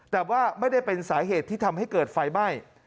แต่ว่าไม่ได้เป็นสาเหตุที่ทำให้เกิดไฟไหม้